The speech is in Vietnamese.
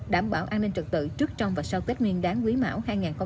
đảm bảo an ninh trật tự trước trong và sau tết nguyên đáng quý mão hai nghìn hai mươi bốn